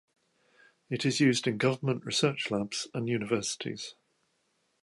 It is used in government research labs and universities.